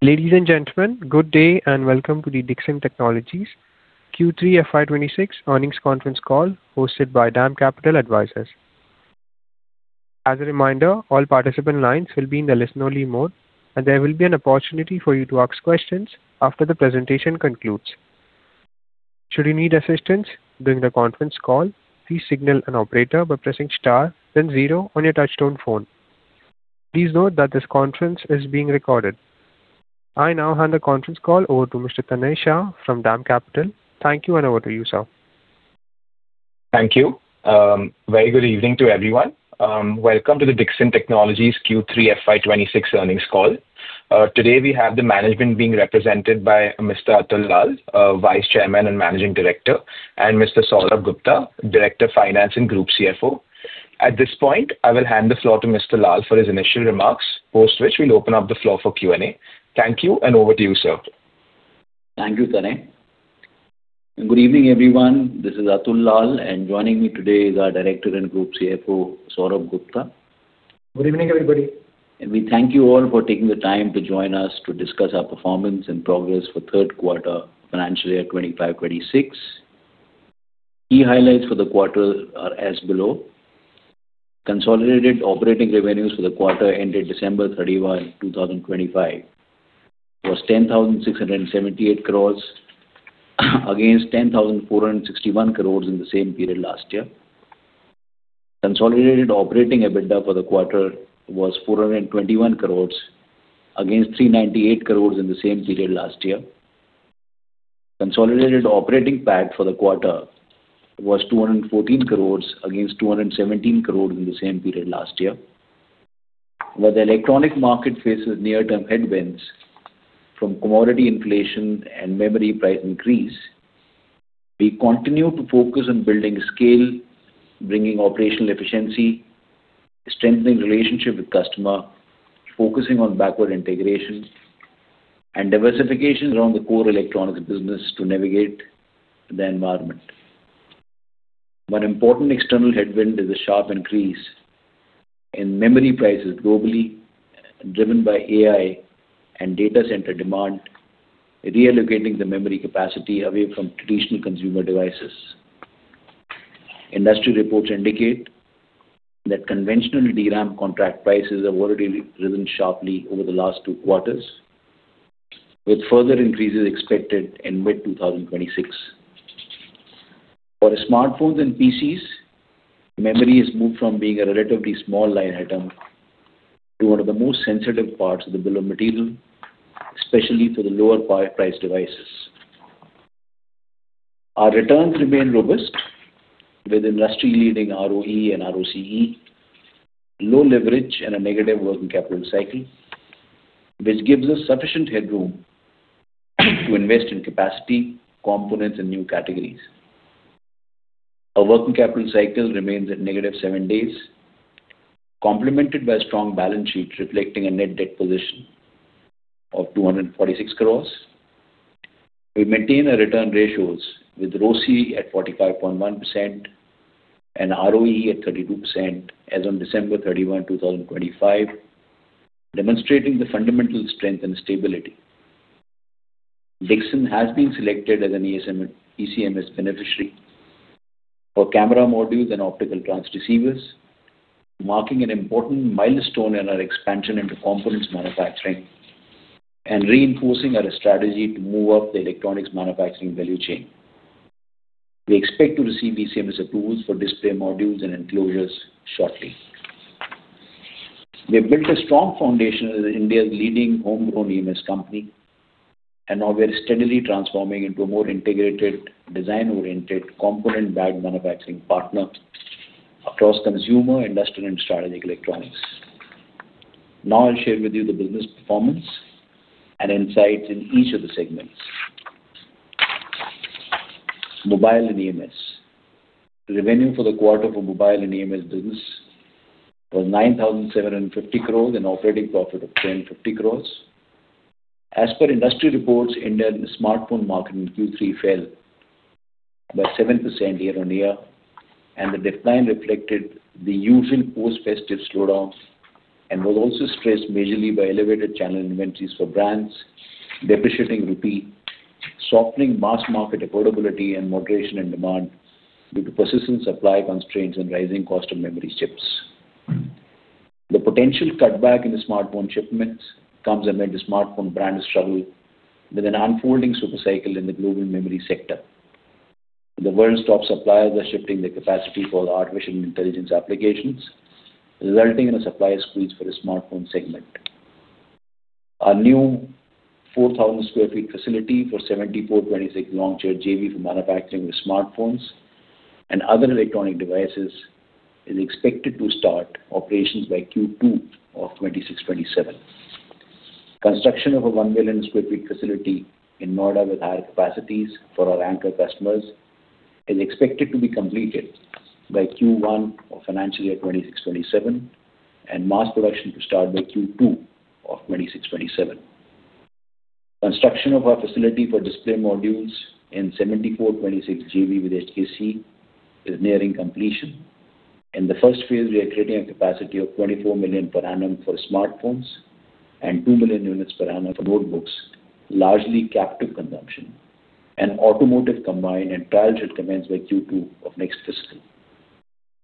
Ladies and gentlemen, good day, and welcome to the Dixon Technologies Q3 FY 2026 earnings conference call, hosted by DAM Capital Advisors. As a reminder, all participant lines will be in the listen-only mode, and there will be an opportunity for you to ask questions after the presentation concludes. Should you need assistance during the conference call, please signal an operator by pressing star, then zero on your touchtone phone. Please note that this conference is being recorded. I now hand the conference call over to Mr. Tanay Shah from DAM Capital. Thank you, and over to you, sir. Thank you. Very good evening to everyone. Welcome to the Dixon Technologies Q3 FY 2026 earnings call. Today, we have the management being represented by Mr. Atul Lall, Vice Chairman and Managing Director, and Mr. Saurabh Gupta, Director of Finance and Group CFO. At this point, I will hand the floor to Mr. Lall for his initial remarks, post which we'll open up the floor for Q&A. Thank you, and over to you, sir. Thank you, Tanay. Good evening, everyone. This is Atul Lall, and joining me today is our Director and Group CFO, Saurabh Gupta. Good evening, everybody. We thank you all for taking the time to join us to discuss our performance and progress for third quarter, financial year 2025-2026. Key highlights for the quarter are as below: consolidated operating revenues for the quarter ended December 31, 2025, was 10,678 crores, against 10,461 crores in the same period last year. Consolidated operating EBITDA for the quarter was 421 crores, against 398 crores in the same period last year. Consolidated operating PAT for the quarter was 214 crores, against 217 crores in the same period last year. While the electronics market faces near-term headwinds from commodity inflation and memory price increase, we continue to focus on building scale, bringing operational efficiency, strengthening relationship with customer, focusing on backward integration and diversification around the core electronics business to navigate the environment. One important external headwind is a sharp increase in memory prices globally, driven by AI and data center demand, reallocating the memory capacity away from traditional consumer devices. Industry reports indicate that conventional DRAM contract prices have already risen sharply over the last two quarters, with further increases expected in mid-2026. For smartphones and PCs, memory has moved from being a relatively small line item to one of the most sensitive parts of the bill of material, especially for the lower price devices. Our returns remain robust, with industry-leading ROE and ROCE, low leverage and a negative working capital cycle, which gives us sufficient headroom to invest in capacity, components and new categories. Our working capital cycle remains at negative 7 days, complemented by a strong balance sheet reflecting a net debt position of 246 crores. We maintain our return ratios with ROCE at 45.1% and ROE at 32% as on December 31, 2025, demonstrating the fundamental strength and stability. Dixon has been selected as an ECMS beneficiary for camera modules and optical transceivers, marking an important milestone in our expansion into components manufacturing and reinforcing our strategy to move up the electronics manufacturing value chain. We expect to receive ECMS approvals for display modules and enclosures shortly. We have built a strong foundation as India's leading homegrown EMS company, and now we are steadily transforming into a more integrated, design-oriented, component-backed manufacturing partner across consumer, industrial, and strategic electronics. Now, I'll share with you the business performance and insights in each of the segments. Mobile and EMS. Revenue for the quarter for mobile and EMS business was 9,750 crores, and operating profit of 1,050 crores. As per industry reports, Indian smartphone market in Q3 fell by 7% year-on-year, and the decline reflected the usual post-festive slowdown and was also stressed majorly by elevated channel inventories for brands, depreciating rupee, softening mass market affordability and moderation in demand due to persistent supply constraints and rising cost of memory chips. The potential cutback in the smartphone shipments comes amid the smartphone brands' struggle with an unfolding super cycle in the global memory sector. The world's top suppliers are shifting their capacity for artificial intelligence applications, resulting in a supply squeeze for the smartphone segment. Our new 4,000 sq ft facility for 74:26 Longcheer JV for manufacturing of smartphones and other electronic devices is expected to start operations by Q2 of 2026-2027. Construction of a 1 million sq ft facility in Noida with higher capacities for our anchor customers is expected to be completed by Q1 of financial year 2026-2027, and mass production to start by Q2 of 2026-2027. Construction of our facility for display modules in 74-26 JV with HKC is nearing completion. In the first phase, we are creating a capacity of 24 million per annum for smartphones and 2 million units per annum for notebooks, largely captive consumption, and automotive combined and trial should commence by Q2 of next fiscal.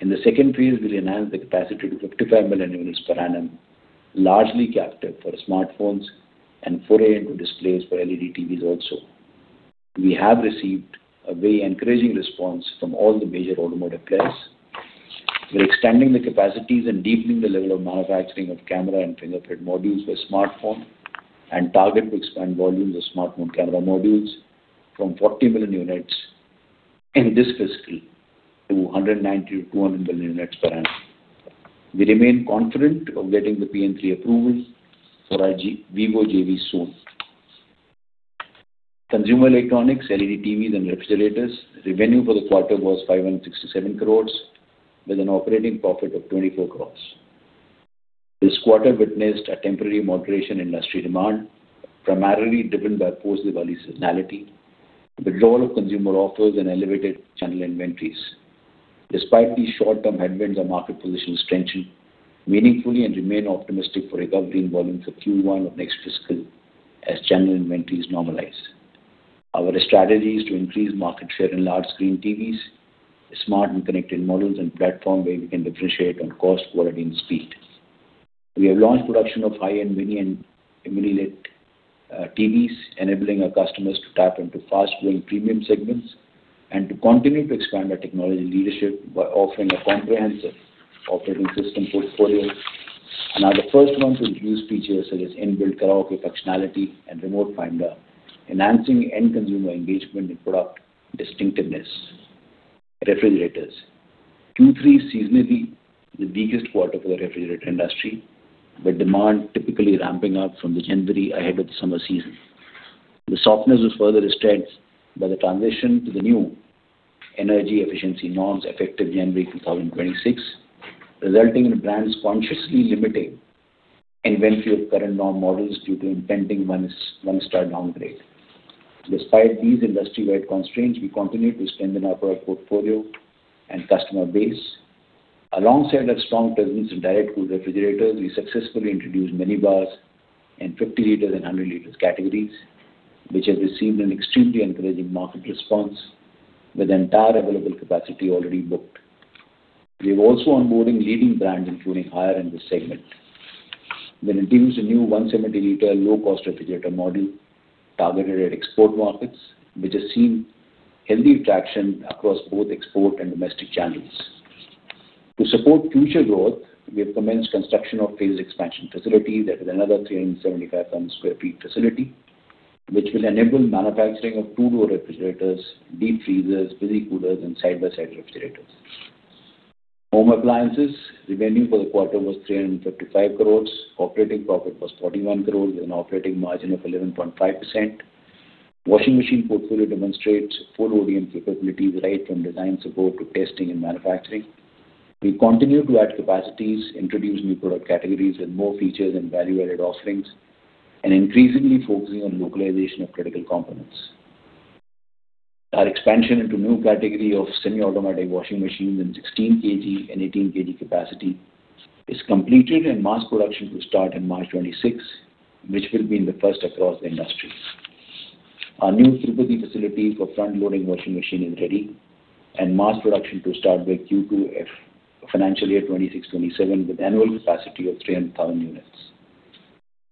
In the second phase, we'll enhance the capacity to 55 million units per annum, largely captive for smartphones and foray into displays for LED TVs also. We have received a very encouraging response from all the major automotive players. We're extending the capacities and deepening the level of manufacturing of camera and fingerprint modules for smartphone, and target to expand volumes of smartphone camera modules from 40 million units in this fiscal to 190-200 million units per annum. We remain confident of getting the PN3 approval for our Vivo JV soon. Consumer electronics, LED TVs, and refrigerators. Revenue for the quarter was 567 crores, with an operating profit of 24 crores. This quarter witnessed a temporary moderation in industry demand, primarily driven by post-Diwali seasonality, withdrawal of consumer offers, and elevated channel inventories. Despite these short-term headwinds, our market position strengthened meaningfully and remain optimistic for recovery in volumes for Q1 of next fiscal as general inventories normalize. Our strategy is to increase market share in large screen TVs, smart and connected models, and platform, where we can differentiate on cost, quality, and speed. We have launched production of high-end mini and mini LED TVs, enabling our customers to tap into fast-growing premium segments and to continue to expand our technology leadership by offering a comprehensive operating system portfolio. We are the first one to introduce features such as inbuilt karaoke functionality and remote finder, enhancing end consumer engagement and product distinctiveness. Refrigerators. Q3 is seasonally the weakest quarter for the refrigerator industry, with demand typically ramping up from January ahead of the summer season. The softness was further restrained by the transition to the new energy efficiency norms, effective January 2026, resulting in brands consciously limiting inventory of current norm models due to impending 1-star downgrade. Despite these industry-wide constraints, we continue to strengthen our product portfolio and customer base. Alongside our strong presence in direct cool refrigerators, we successfully introduced minibars in 50 liters and 100 liters categories, which have received an extremely encouraging market response, with the entire available capacity already booked. We are also onboarding leading brands, including higher end segment. We introduced a new 170-liter low-cost refrigerator model targeted at export markets, which has seen healthy traction across both export and domestic channels. To support future growth, we have commenced construction of phase expansion facility that is another 375,000 sq ft facility, which will enable manufacturing of two-door refrigerators, deep freezers, Visi-Coolers and side-by-side refrigerators. Home appliances. Revenue for the quarter was 355 crore. Operating profit was 41 crore, with an operating margin of 11.5%. Washing machine portfolio demonstrates full ODM capabilities, right from design support to testing and manufacturing. We continue to add capacities, introduce new product categories with more features and value-added offerings, and increasingly focusing on localization of critical components. Our expansion into new category of semi-automatic washing machines in 16 kg and 18 kg capacity is completed, and mass production will start in March 2026, which will be the first across the industry. Our new facility for front-loading washing machine is ready, and mass production to start with Q2 financial year 2026-27, with annual capacity of 300,000 units.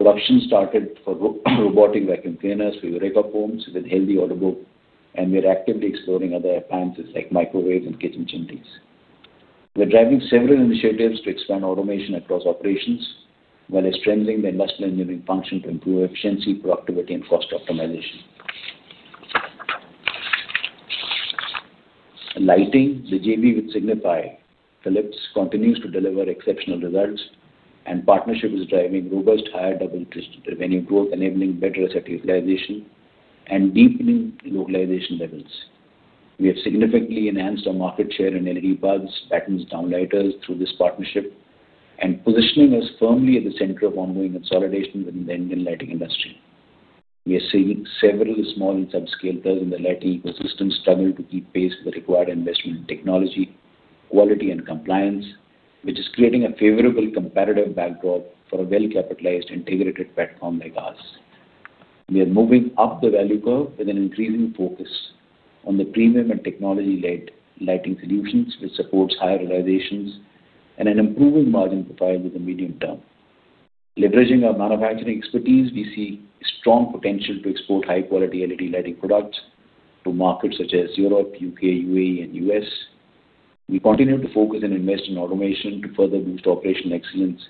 Production started for robotic vacuum cleaners with Eureka Forbes, with healthy order book, and we are actively exploring other appliances like microwaves and kitchen chimneys. We're driving several initiatives to expand automation across operations, while strengthening the investment engineering function to improve efficiency, productivity, and cost optimization. Lighting. The JV with Signify, Philips continues to deliver exceptional results, and partnership is driving robust, higher double-digit revenue growth, enabling better asset utilization and deepening localization levels. We have significantly enhanced our market share in LED bulbs, batten, downlighters through this partnership, and positioning us firmly at the center of ongoing consolidation within the Indian lighting industry. We are seeing several small and subscale players in the lighting ecosystem struggle to keep pace with the required investment in technology, quality, and compliance, which is creating a favorable competitive backdrop for a well-capitalized, integrated platform like us. We are moving up the value curve with an increasing focus on the premium and technology-led lighting solutions, which supports higher realizations and an improving margin profile with the medium term. Leveraging our manufacturing expertise, we see strong potential to export high-quality LED lighting products to markets such as Europe, U.K., UAE, and U.S.. We continue to focus and invest in automation to further boost operational excellence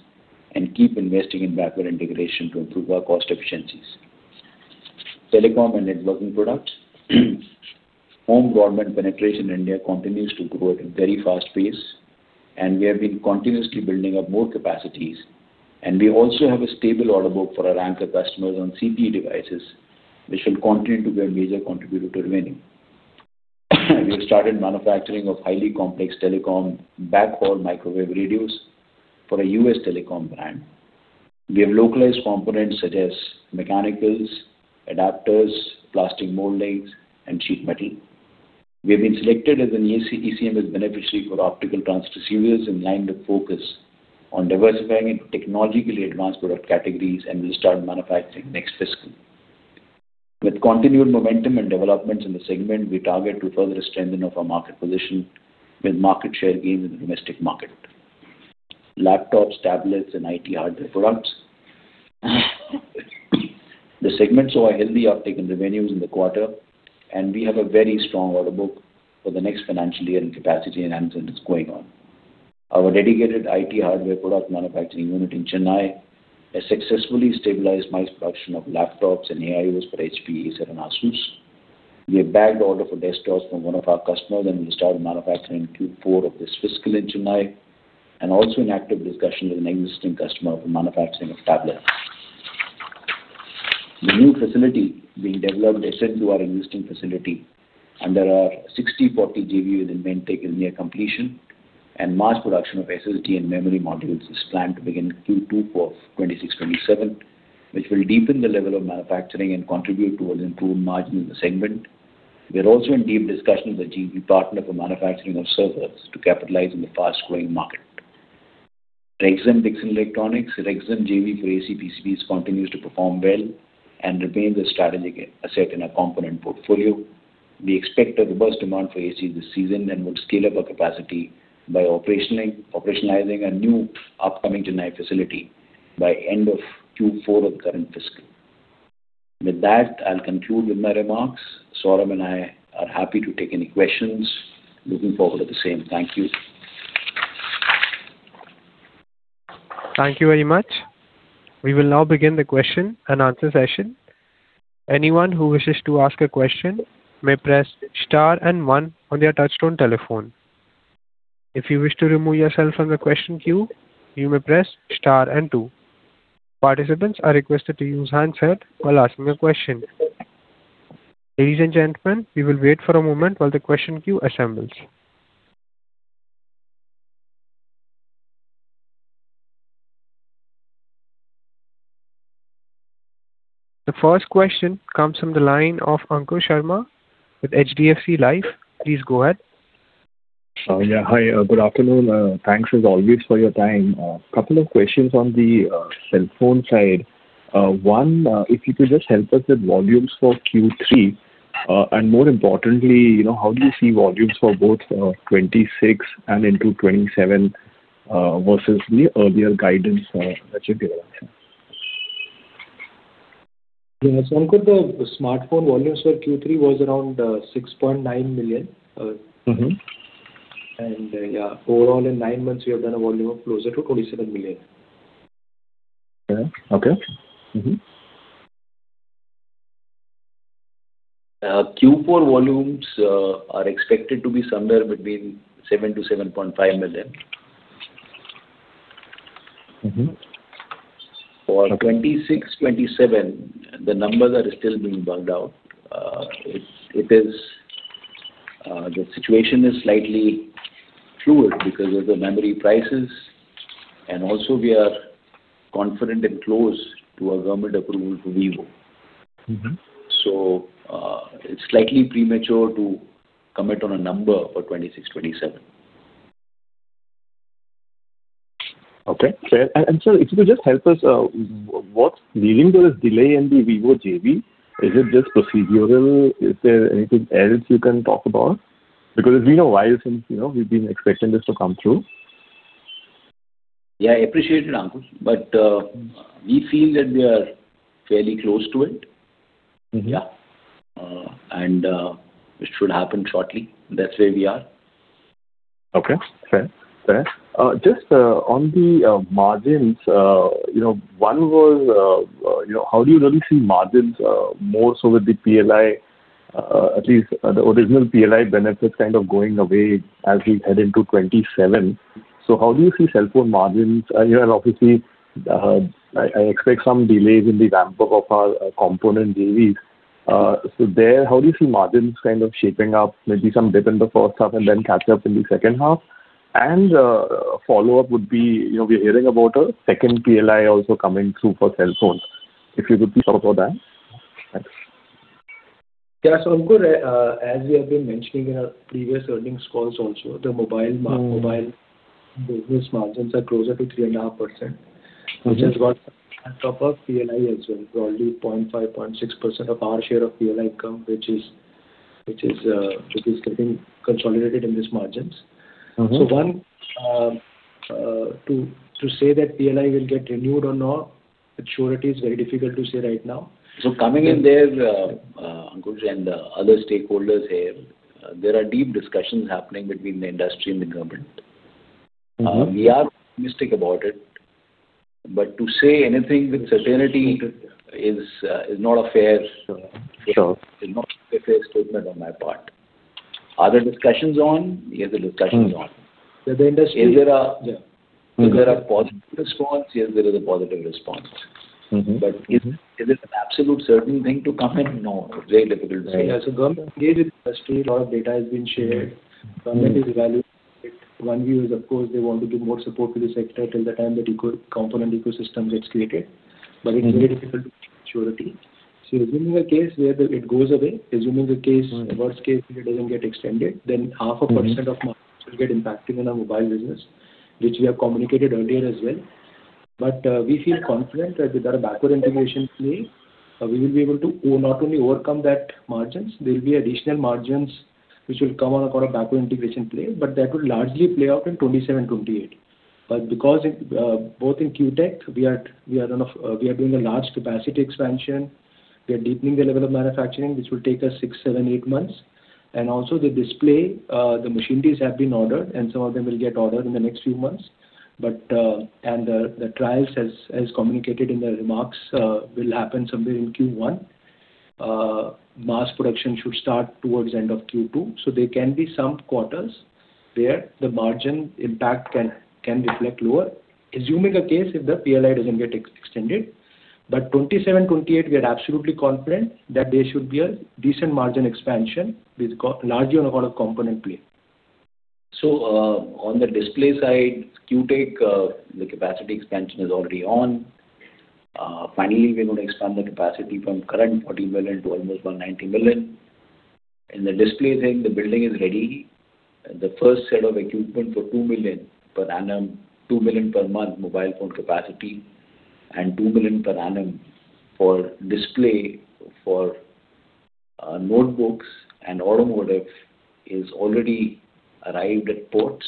and keep investing in backward integration to improve our cost efficiencies. Telecom and networking products. CPE penetration in India continues to grow at a very fast pace, and we have been continuously building up more capacities, and we also have a stable order book for our anchor customers on CPE devices, which will continue to be a major contributor to revenue. We have started manufacturing of highly complex telecom backhaul microwave radios for a U.S. telecom brand. We have localized components such as mechanicals, adapters, plastic moldings, and sheet metal. We have been selected as an ECS beneficiary for optical transceivers in line with focus on diversifying into technologically advanced product categories, and we'll start manufacturing next fiscal. With continued momentum and developments in the segment, we target to further strengthen our market position with market share gains in the domestic market. Laptops, tablets, and IT hardware products, the segments saw a healthy uptake in revenues in the quarter, and we have a very strong order book for the next financial year and capacity enhancement is going on. Our dedicated IT hardware product manufacturing unit in Chennai has successfully stabilized mass production of laptops and AIOs for HPE and ASU.S.. We have bagged order for desktops from one of our customers, and we'll start manufacturing in Q4 of this fiscal in Chennai, and also in active discussion with an existing customer for manufacturing of tablets. The new facility being developed adjacent to our existing facility, and there are 60/40 JV with Inventec is near completion, and mass production of SSD and memory modules is planned to begin in Q2 of 2026, 2027, which will deepen the level of manufacturing and contribute towards improved margin in the segment. We are also in deep discussions with the JV partner for manufacturing of servers to capitalize on the fast-growing market. Rexon Dixon Electronics, Rexon JV for AC PCBs, continues to perform well and remains a strategic asset in our component portfolio. We expect a robust demand for AC this season and would scale up our capacity by operationalizing a new upcoming Chennai facility by end of Q4 of the current fiscal. With that, I'll conclude with my remarks. Saurabh and I are happy to take any questions. Looking forward to the same. Thank you. Thank you very much. We will now begin the question and answer session. Anyone who wishes to ask a question may press star and one on their touchtone telephone. If you wish to remove yourself from the question queue, you may press star and two. Participants are requested to use handset while asking a question. Ladies and gentlemen, we will wait for a moment while the question queue assembles. The first question comes from the line of Ankur Sharma with HDFC Life. Please go ahead. Yeah. Hi, good afternoon. Thanks as always for your time. A couple of questions on the cell phone side. One, if you could just help us with volumes for Q3, and more importantly, you know, how do you see volumes for both 2026 and into 2027 versus the earlier guidance that you gave out? Yeah, so, Ankur, the smartphone volumes for Q3 was around 6.9 million. Mm-hmm. Yeah, overall, in nine months, we have done a volume of closer to 27 million. Yeah. Okay. Mm-hmm. Q4 volumes are expected to be somewhere between 7 million-7.5 million. Mm-hmm. For 2026, 2027, the numbers are still being worked out. The situation is slightly fluid because of the memory prices, and also we are confident and close to a government approval to Vivo. Mm-hmm. It's slightly premature to commit on a number for 2026, 2027. Okay, fair. Sir, if you could just help us, what's leading to this delay in the Vivo JV? Is it just procedural? Is there anything else you can talk about? Because it's been a while since, you know, we've been expecting this to come through. Yeah, I appreciate it, Ankur, but we feel that we are fairly close to it. Mm-hmm. Yeah. And it should happen shortly. That's where we are. Okay. Fair. Fair. Just on the margins, you know, one was you know how do you really see margins, more so with the PLI, at least the original PLI benefits kind of going away as we head into 2027. So how do you see cell phone margins? You know, obviously, I expect some delays in the ramp-up of our component JVs. So there, how do you see margins kind of shaping up? Maybe some dip in the first half and then catch up in the second half. And a follow-up would be, you know, we're hearing about a second PLI also coming through for cell phones. If you could please talk about that? Thanks. Yeah, so, Ankur, as we have been mentioning in our previous earnings calls also, the mobile mar- Mm. Mobile business margins are closer to 3.5%. Mm-hmm. Which has got a proper PLI as well, probably 0.5-0.6% of our share of PLI income, which is, which is, which is getting consolidated in these margins. Mm-hmm. So, to say that PLI will get renewed or not, with surety, it's very difficult to say right now. So coming in there, Ankur, and other stakeholders here, there are deep discussions happening between the industry and the government. Mm-hmm. We are optimistic about it, but to say anything with certainty is not a fair- Sure. Is not a fair statement on my part. Are there discussions on? Yes, the discussion is on. With the industry- Is there a- Yeah. Is there a positive response? Yes, there is a positive response.... Mm-hmm. But is it an absolute certain thing to come in? No. Very difficult to say. Yeah, so government played with industry, a lot of data has been shared. Mm-hmm. Government is evaluating it. One view is, of course, they want to give more support to the sector till the time the electronic component ecosystem gets created. Mm-hmm. It's very difficult to ensure the team. So assuming a case where it goes away, assuming the case- Mm. - Worst case, it doesn't get extended, then 0.5%- Mm. of margins will get impacted in our mobile business, which we have communicated earlier as well. But we feel confident that with our backward integration play, we will be able to not only overcome that margins, there will be additional margins which will come on account of backward integration play, but that would largely play out in 2027, 2028. But because both in Qtech we are doing a large capacity expansion. We are deepening the level of manufacturing, which will take us 6, 7, 8 months. And also the display, the machineries have been ordered, and some of them will get ordered in the next few months. But and the trials, as communicated in the remarks, will happen somewhere in Q1. Mass production should start towards the end of Q2. There can be some quarters where the margin impact can reflect lower, assuming a case if the PLI doesn't get extended. But 27, 28, we are absolutely confident that there should be a decent margin expansion, largely on account of component play. On the display side, Qtech, the capacity expansion is already on. Finally, we're going to expand the capacity from current 40 million to almost 190 million. In the display thing, the building is ready. The first set of equipment for 2 million per annum, 2 million per month mobile phone capacity, and 2 million per annum for display for notebooks and automotive, is already arrived at ports.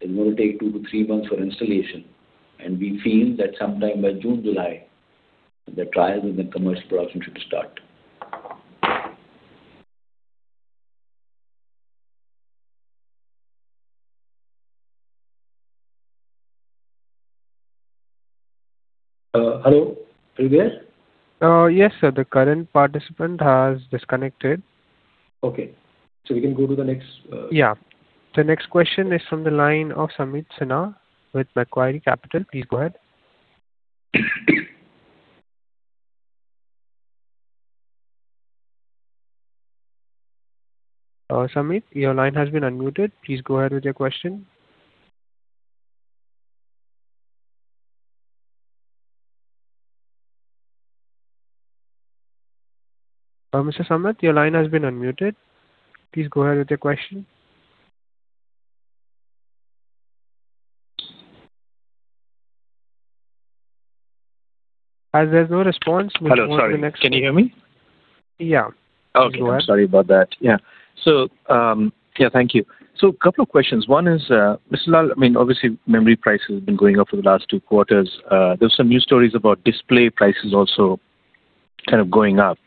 It will take 2-3 months for installation, and we feel that sometime by June-July, the trials and the commercial production should start. Hello, are you there? Yes, sir, the current participant has disconnected. Okay. So we can go to the next. Yeah. The next question is from the line of Samit Sinha with Macquarie Capital. Please go ahead. Samit, your line has been unmuted. Please go ahead with your question. Mr. Samit, your line has been unmuted. Please go ahead with your question. As there's no response, we'll go to the next- Hello, sorry. Can you hear me? Yeah. Okay. Go ahead. I'm sorry about that. Yeah. So, yeah, thank you. So a couple of questions. One is, Mr. Lall, I mean, obviously, memory price has been going up for the last two quarters. There are some news stories about display prices also kind of going up.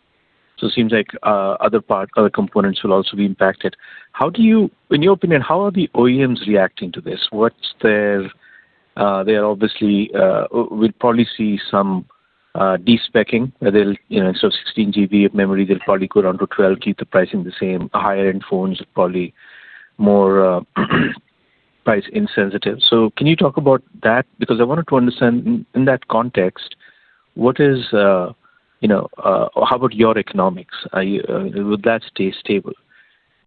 So it seems like, other part, other components will also be impacted. How do you... In your opinion, how are the OEMs reacting to this? What's their, they're obviously, we'll probably see some, despeccing, where they'll, you know, instead of 16 GB of memory, they'll probably go down to 12, keep the pricing the same. Higher-end phones are probably more, price insensitive. So can you talk about that? Because I wanted to understand in that context, what is, you know, how about your economics? Are you, would that stay stable?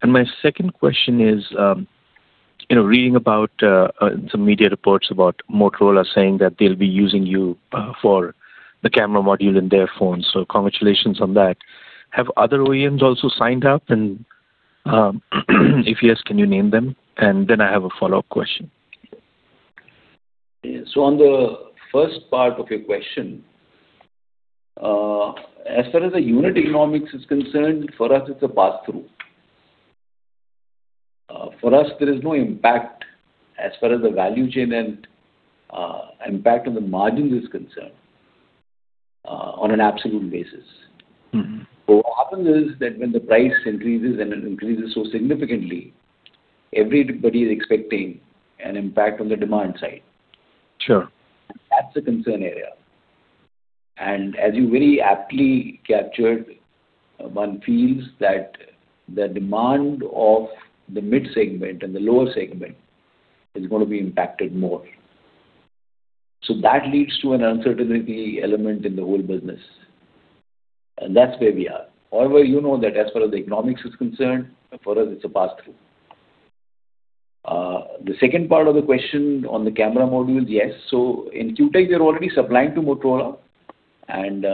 My second question is, you know, reading about some media reports about Motorola saying that they'll be using you for the camera module in their phones, so congratulations on that. Have other OEMs also signed up? And if yes, can you name them? And then I have a follow-up question. So on the first part of your question, as far as the unit economics is concerned, for us it's a passthrough. For us, there is no impact as far as the value chain and impact on the margins is concerned, on an absolute basis. Mm-hmm. What happens is, that when the price increases, and it increases so significantly, everybody is expecting an impact on the demand side. Sure. That's a concern area. And as you very aptly captured, one feels that the demand of the mid segment and the lower segment is going to be impacted more. So that leads to an uncertainty element in the whole business, and that's where we are. However, you know that as far as the economics is concerned, for us, it's a passthrough. The second part of the question on the camera module, yes. So in Q Tech, we are already supplying to Motorola, and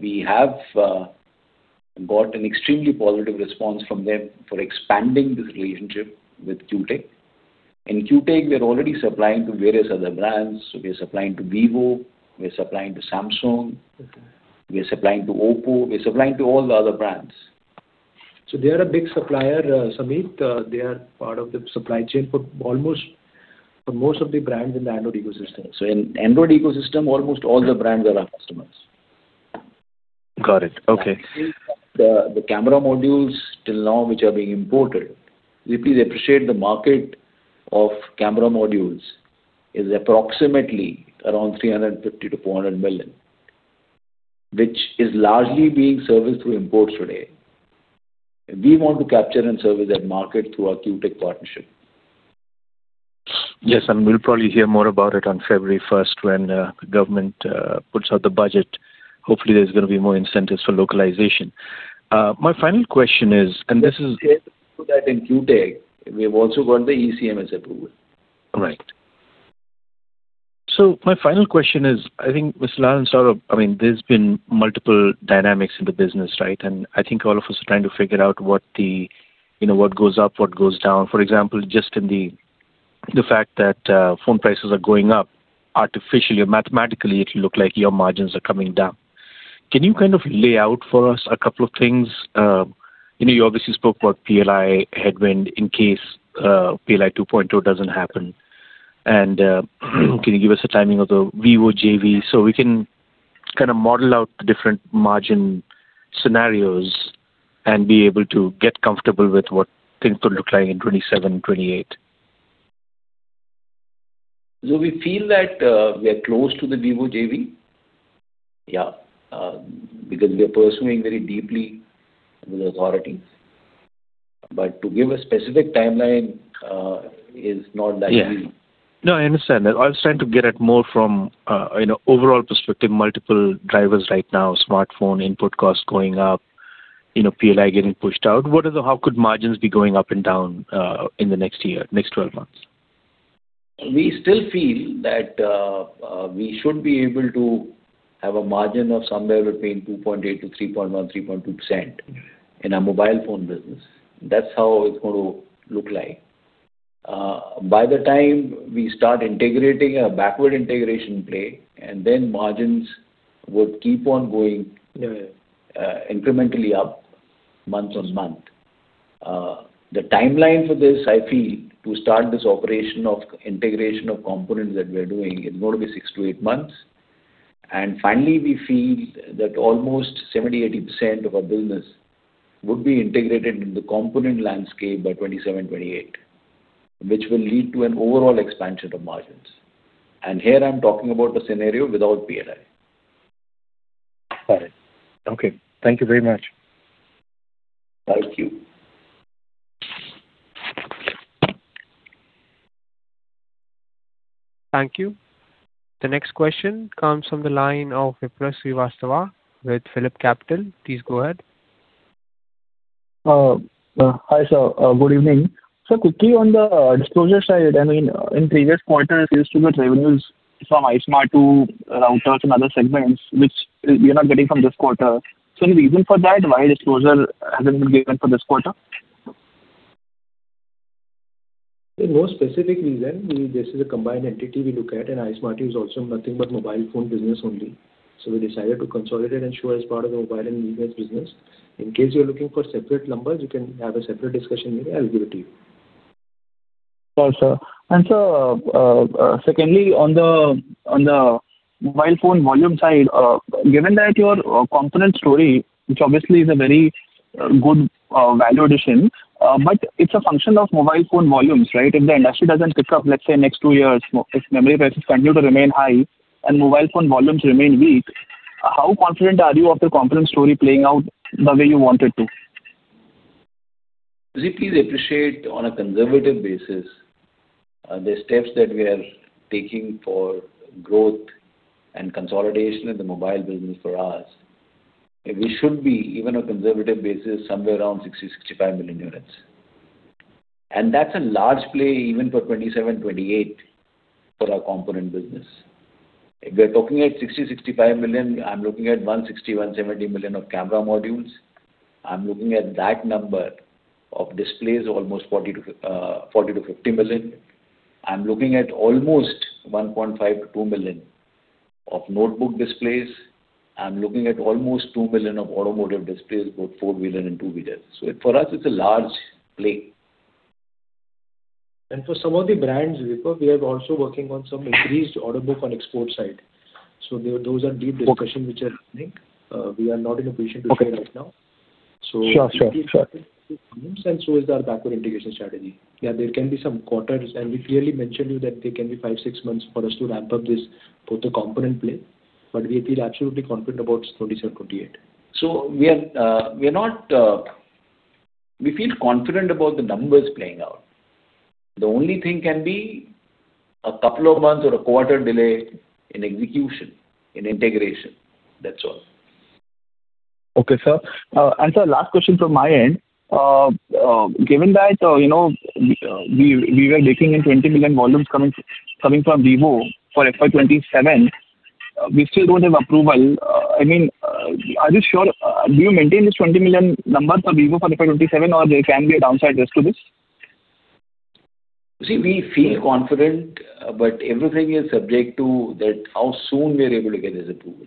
we have got an extremely positive response from them for expanding this relationship with Q Tech. In Q Tech, we are already supplying to various other brands. So we are supplying to Vivo, we are supplying to Samsung- Okay. We are supplying to OPPO, we're supplying to all the other brands. So they are a big supplier, Samit. They are part of the supply chain for almost, for most of the brands in the Android ecosystem. So in Android ecosystem, almost all the brands are our customers. Got it. Okay. The camera modules till now, which are being imported, we please appreciate the market of camera modules is approximately around 350 million-400 million, which is largely being serviced through imports today. We want to capture and service that market through our Qtech partnership. Yes, and we'll probably hear more about it on February first when the government puts out the budget. Hopefully, there's gonna be more incentives for localization. My final question is, and this is- That in QTAG, we have also got the ECMS approval. Right. So my final question is, I think, Mr. Lall and Saurabh, I mean, there's been multiple dynamics in the business, right? And I think all of us are trying to figure out what the, you know, what goes up, what goes down. For example, just in the fact that, phone prices are going up artificially or mathematically, it'll look like your margins are coming down. Can you kind of lay out for us a couple of things? You know, you obviously spoke about PLI headwind in case, PLI 2.2 doesn't happen. And, can you give us a timing of the Vivo JV, so we can kind of model out the different margin scenarios and be able to get comfortable with what things could look like in 2027, 2028? So we feel that we are close to the Vivo JV. Yeah, because we are pursuing very deeply with the authorities. But to give a specific timeline is not that easy. Yeah. No, I understand that. I was trying to get at more from, you know, overall perspective, multiple drivers right now, smartphone, input costs going up, you know, PLI getting pushed out. What are the-- how could margins be going up and down, in the next year, next twelve months? We still feel that we should be able to have a margin of somewhere between 2.8%-3.2% in our mobile phone business. That's how it's going to look like. By the time we start integrating a backward integration play, and then margins would keep on going- Yeah. Incrementally up month-on-month. The timeline for this, I feel, to start this operation of integration of components that we are doing, is going to be 6-8 months. And finally, we feel that almost 70%-80% of our business would be integrated in the component landscape by 2027-2028, which will lead to an overall expansion of margins. And here I'm talking about the scenario without PLI. Got it. Okay. Thank you very much. Thank you. Thank you. The next question comes from the line of Vipraw Srivastava with PhillipCapital. Please go ahead. Hi, sir. Good evening. Sir, quickly on the disclosure side, I mean, in previous quarters, used to the revenues from iSmartu routers and other segments, which we are not getting from this quarter. So any reason for that, why disclosure hasn't been given for this quarter? There's no specific reason. This is a combined entity we look at, and Ismartu is also nothing but mobile phone business only. So we decided to consolidate and show as part of the mobile and business. In case you're looking for separate numbers, you can have a separate discussion with me, I'll give it to you. Sure, sir. And sir, secondly, on the mobile phone volume side, given that your component story, which obviously is a very good value addition, but it's a function of mobile phone volumes, right? If the industry doesn't pick up, let's say, next two years, if memory prices continue to remain high and mobile phone volumes remain weak, how confident are you of the component story playing out the way you want it to? You see, please appreciate on a conservative basis the steps that we are taking for growth and consolidation in the mobile business for us. We should be, even a conservative basis, somewhere around 60-65 million units. And that's a large play even for 27-28 for our component business. If we're talking at 60-65 million, I'm looking at 160-170 million of camera modules. I'm looking at that number of displays, almost 40-50 million. I'm looking at almost 1.5-2 million of notebook displays. I'm looking at almost 2 million of automotive displays, both four-wheeler and two-wheeler. So for us, it's a large play. And for some of the brands, Vipraw, we are also working on some increased order book on export side. So those are deep discussions- Okay. -which are happening. We are not in a position to say right now. Sure, sure, sure. And so is our backward integration strategy. Yeah, there can be some quarters, and we clearly mentioned you that there can be five, six months for us to ramp up this both the component play, but we feel absolutely confident about 27, 28. So we are, we are not... We feel confident about the numbers playing out. The only thing can be a couple of months or a quarter delay in execution, in integration. That's all. Okay, sir. And sir, last question from my end. Given that, you know, we were taking in 20 million volumes coming from Vivo for FY 2027, we still don't have approval. I mean, are you sure, do you maintain this 20 million numbers for Vivo for FY 2027, or there can be a downside risk to this? You see, we feel confident, but everything is subject to that, how soon we are able to get this approval.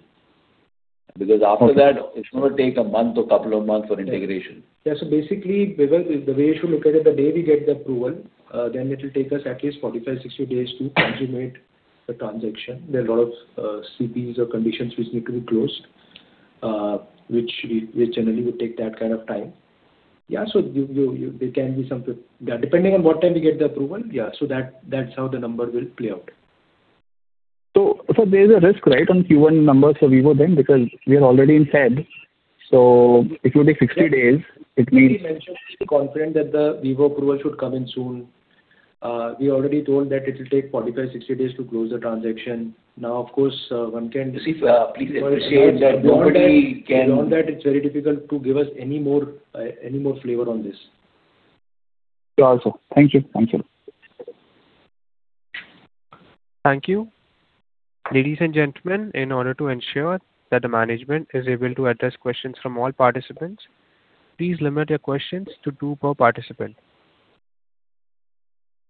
Because after that, it's going to take a month or couple of months for integration. Yeah, so basically, Vipraw, the way you should look at it, the day we get the approval, then it will take us at least 45, 60 days to consummate the transaction. There are a lot of CPs or conditions which need to be closed, which generally would take that kind of time. Yeah, so you, there can be some... Yeah, depending on what time we get the approval, yeah, so that, that's how the number will play out. So, so there is a risk, right, on Q1 numbers for Vivo then, because we are already in February, so it will be 60 days. It means- We mentioned, we're confident that the Vivo approval should come in soon. We already told that it will take 45-60 days to close the transaction. Now, of course, one can- See, please appreciate that nobody can- Beyond that, it's very difficult to give us any more, any more flavor on this. Also. Thank you. Thank you. Thank you. Ladies and gentlemen, in order to ensure that the management is able to address questions from all participants, please limit your questions to two per participant.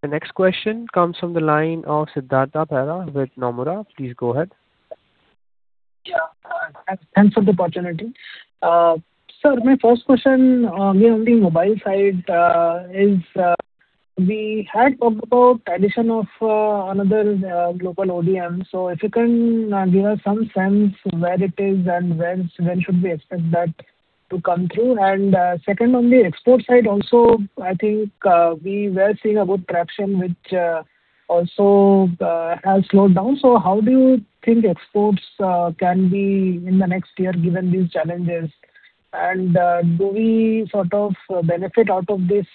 The next question comes from the line of Siddhartha Bera with Nomura. Please go ahead. Yeah, thanks for the opportunity. Sir, my first question, on the mobile side, is, we had talked about addition of, another, global ODM. So if you can, give us some sense where it is and when, when should we expect that to come through? And, second, on the export side also, I think, we were seeing a good traction, which, also, has slowed down. So how do you think exports, can be in the next year, given these challenges? And, do we sort of benefit out of this,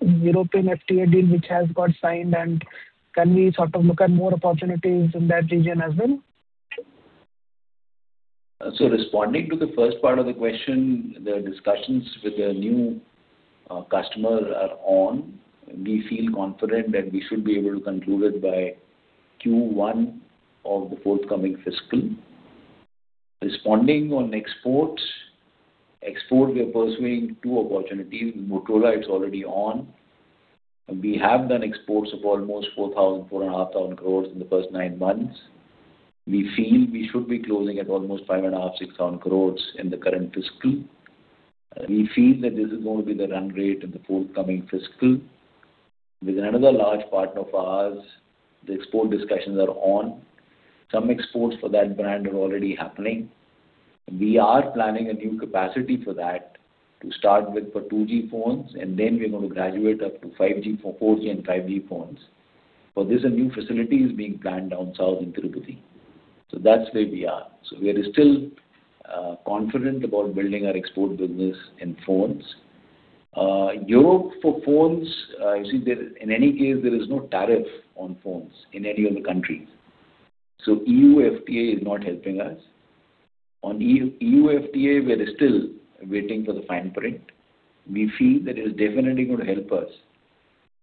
European FTA deal, which has got signed, and can we sort of look at more opportunities in that region as well? So responding to the first part of the question, the discussions with the new customer are on. We feel confident that we should be able to conclude it by Q1 of the forthcoming fiscal. Responding on exports, we are pursuing two opportunities. Motorola, it's already on. We have done exports of almost 4,000-4,500 crore in the first 9 months. We feel we should be closing at almost 5,500-6,000 crore in the current fiscal. We feel that this is going to be the run rate in the forthcoming fiscal. With another large partner of ours, the export discussions are on. Some exports for that brand are already happening. We are planning a new capacity for that, to start with for 2G phones, and then we're going to graduate up to 5G, for 4G and 5G phones. For this, a new facility is being planned down south in Tirupati. So that's where we are. So we are still confident about building our export business in phones. Europe for phones, you see, there, in any case, there is no tariff on phones in any of the countries. So EU FTA is not helping us. On EU, EU FTA, we are still waiting for the fine print. We feel that it's definitely going to help us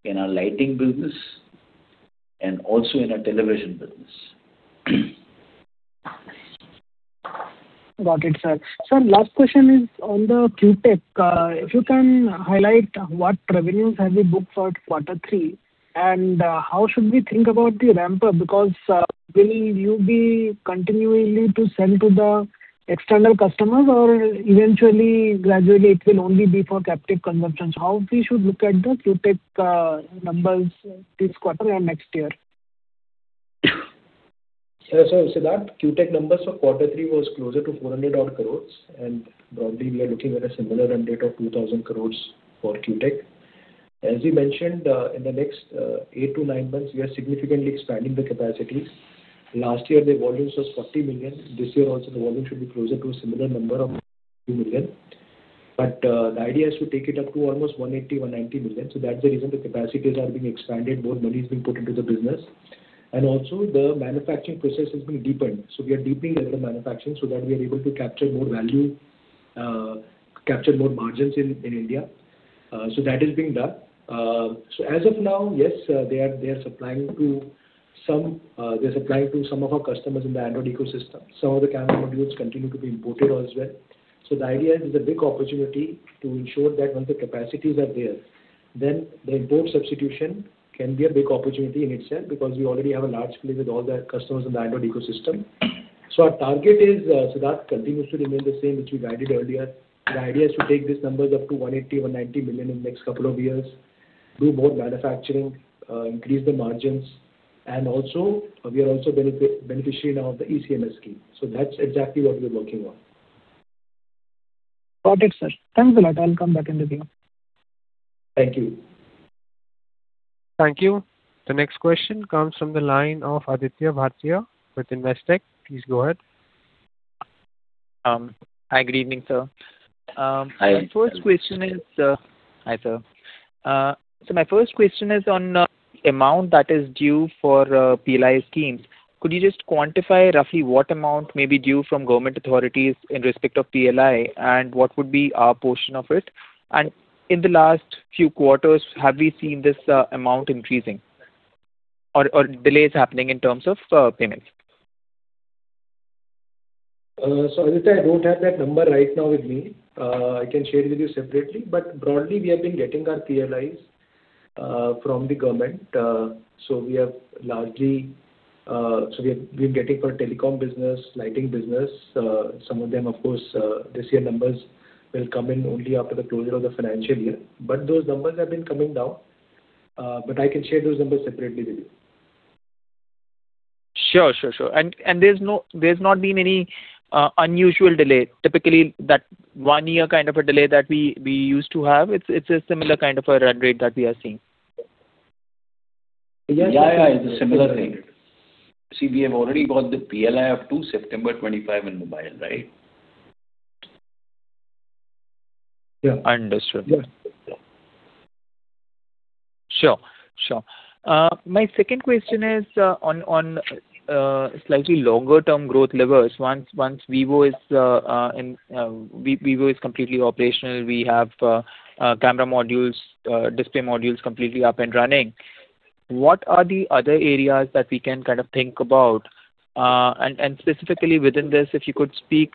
in our lighting business and also in our television business. Got it, sir. Sir, last question is on the Q Tech. If you can highlight what revenues have you booked for quarter three, and how should we think about the ramp-up? Because, will you be continuing to sell to the external customers, or eventually, gradually, it will only be for captive conversions? How we should look at the Q Tech numbers this quarter and next year? So, Siddhartha, Q Tech numbers for quarter three was closer to 400-odd crores, and broadly, we are looking at a similar run rate of 2,000 crores for Q Tech. As we mentioned, in the next eight to nine months, we are significantly expanding the capacities. Last year, the volumes was 40 million. This year also, the volume should be closer to a similar number of million. But the idea is to take it up to almost 180, 190 million. So that's the reason the capacities are being expanded, more money is being put into the business. And also, the manufacturing process is being deepened. So we are deepening a little manufacturing so that we are able to capture more value, capture more margins in, in India. So that is being done. So as of now, yes, they are supplying to some, they're supplying to some of our customers in the Android ecosystem. Some of the camera modules continue to be imported as well. So the idea is a big opportunity to ensure that once the capacities are there, then the import substitution can be a big opportunity in itself, because we already have a large fleet with all the customers in the Android ecosystem. So our target is, Siddhartha, continues to remain the same, which we guided earlier. The idea is to take these numbers up to 180-190 million in the next couple of years, do more manufacturing, increase the margins, and also, we are also beneficiary now of the ECMS scheme. So that's exactly what we're working on. Got it, sir. Thanks a lot. I'll come back in the day. Thank you. Thank you. The next question comes from the line of Aditya Bhartia with Investec. Please go ahead. Hi, good evening, sir. Hi. My first question is. Hi, sir. So my first question is on amount that is due for PLI schemes. Could you just quantify roughly what amount may be due from government authorities in respect of PLI, and what would be our portion of it? And in the last few quarters, have we seen this amount increasing or delays happening in terms of payments? So Aditya, I don't have that number right now with me. I can share it with you separately. But broadly, we have been getting our PLIs from the government. So we have largely been getting for telecom business, lighting business. Some of them, of course, this year numbers will come in only after the closure of the financial year. But those numbers have been coming down, but I can share those numbers separately with you. Sure, sure, sure. And, and there's no- there's not been any unusual delay, typically, that one year kind of a delay that we, we used to have. It's, it's a similar kind of a run rate that we are seeing?... Yeah, yeah, it's a similar thing. See, we have already got the PLI up to September 2025 in mobile, right? Yeah. Understood. Yeah. Sure. Sure. My second question is on slightly longer term growth levers. Once Vivo is completely operational, we have camera modules, display modules completely up and running. What are the other areas that we can kind of think about? And specifically within this, if you could speak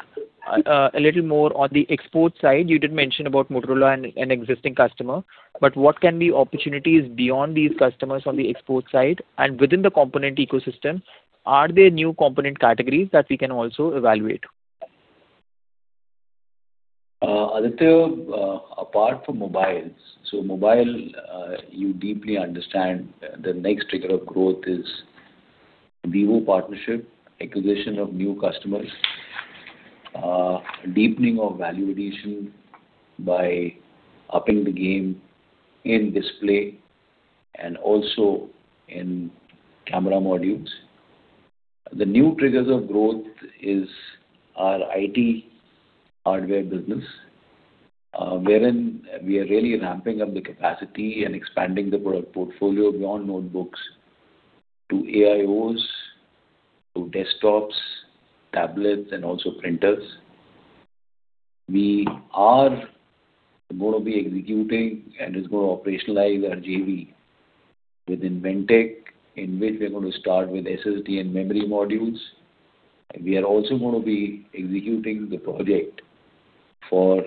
a little more on the export side. You did mention about Motorola and an existing customer, but what can be opportunities beyond these customers on the export side? And within the component ecosystem, are there new component categories that we can also evaluate? Aditya, apart from mobiles, so mobile, you deeply understand the next trigger of growth is Vivo partnership, acquisition of new customers, deepening of value addition by upping the game in display and also in camera modules. The new triggers of growth is our IT hardware business, wherein we are really ramping up the capacity and expanding the product portfolio beyond notebooks to AIOs, to desktops, tablets, and also printers. We are going to be executing and is going to operationalize our JV within Inventec, in which we are going to start with SSD and memory modules. And we are also going to be executing the project for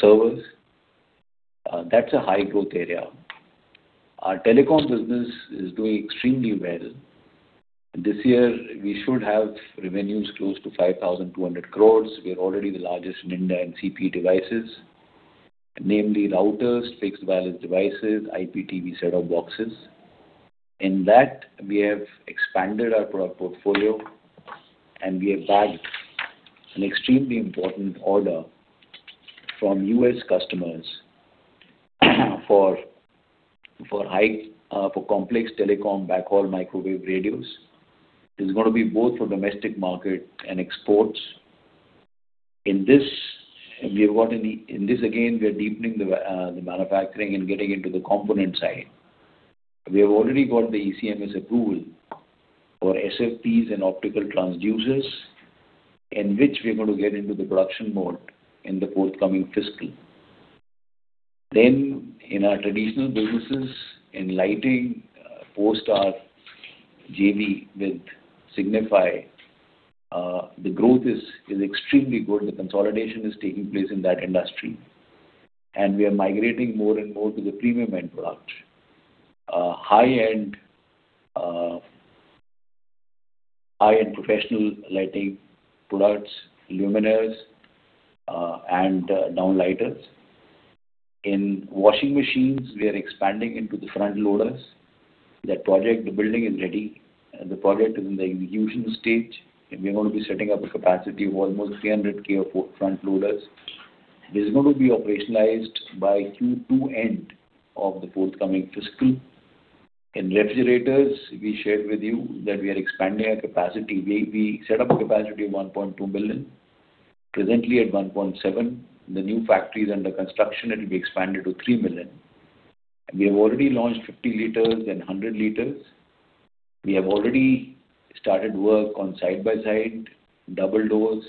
servers. That's a high growth area. Our telecom business is doing extremely well. This year, we should have revenues close to 5,200 crores. We are already the largest in India in CPE devices, namely routers, fixed wireless devices, IPTV set-top boxes. In that, we have expanded our product portfolio, and we have bagged an extremely important order from U.S. customers, for high for complex telecom backhaul microwave radios. This is going to be both for domestic market and exports. In this, again, we are deepening the manufacturing and getting into the component side. We have already got the ECMS approval for SFPs and optical transceivers, in which we are going to get into the production mode in the forthcoming fiscal. Then, in our traditional businesses, in lighting, post our JV with Signify, the growth is extremely good. The consolidation is taking place in that industry, and we are migrating more and more to the premium end product. High-end, high-end professional lighting products, luminaires, and downlighters. In washing machines, we are expanding into the front loaders. That project, the building is ready, and the project is in the execution stage, and we are going to be setting up a capacity of almost 300,000 for front loaders. This is going to be operationalized by Q2 end of the forthcoming fiscal. In refrigerators, we shared with you that we are expanding our capacity. We set up a capacity of 1.2 million, presently at 1.7. The new factory is under construction, it will be expanded to 3 million. And we have already launched 50 liters and 100 liters. We have already started work on side-by-side, double doors,